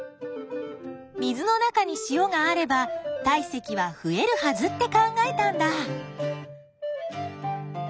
水の中に塩があれば体積は増えるはずって考えたんだ。